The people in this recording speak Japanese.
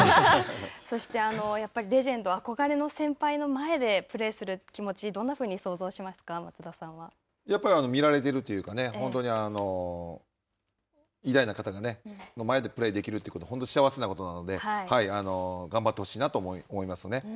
そしてやっぱりレジェンド、憧れの先輩の前で、プレーする気持ち、どんなふうに想像しましたか、やっぱり見られているというか、本当に偉大な方の前でプレーできるということは、本当に幸せなことなので、頑張ってほしいなと思いますね。